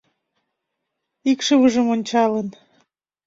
Икшывыжым ончалын